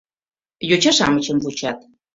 Йоча-шамычым вучат.